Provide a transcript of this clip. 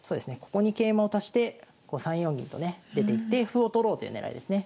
ここに桂馬を足して３四銀とね出ていって歩を取ろうという狙いですね。